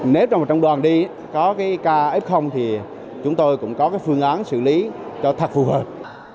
nếu trong một trong đoàn đi có ca f thì chúng tôi cũng có phương án xử lý cho thật phù hợp